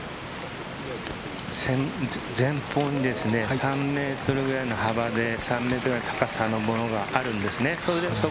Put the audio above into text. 前方に３メートルくらいの幅で、３００ぐらいの高さのものがあるんですね。